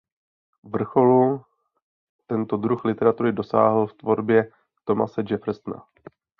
Vrcholu tento druh literatury dosáhl v tvorbě Thomase Jeffersona.